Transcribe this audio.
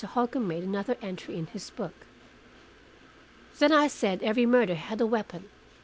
Holcombe made another entry in his book. "Then I said every murder had a weapon.